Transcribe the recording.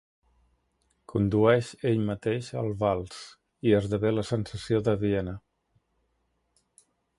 Condueix ell mateix el vals, i esdevé la sensació de Viena.